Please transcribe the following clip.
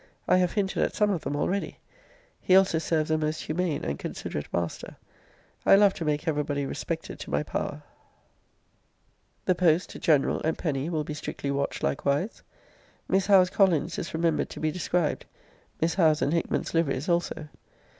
I have hinted at some of them already.* He also serves a most humane and considerate master. I love to make every body respected to my power. * See Letter XXIX. of this volume. The post, general and penny, will be strictly watched likewise. Miss Howe's Collins is remembered to be described. Miss Howe's and Hickman's liveries also.